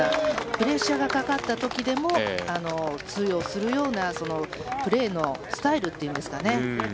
プレッシャーがかかった時でも通用するようなプレーのスタイルっていうんですかね